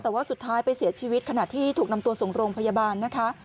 แต่ว่าสุดท้ายไปเสียชีวิตขณะที่ถูกนำตัวส่งโรงพยาบาลนะคะ